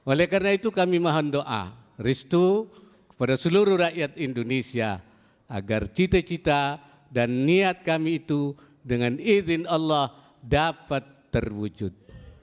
oleh karena itu kami mohon doa restu kepada seluruh rakyat indonesia agar cita cita dan niat kami itu dengan izin allah dapat terwujud